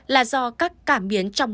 là do các cảm biến trong